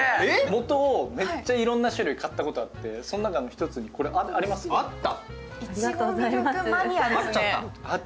もとをめっちゃいろんな種類買ったことがあって、その中にこれ、ありました。